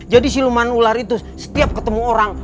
jadi siluman ular itu setiap ketemu orang